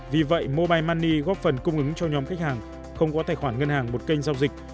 vì vậy mobile money góp phần cung ứng cho nhóm khách hàng không có tài khoản ngân hàng một kênh giao dịch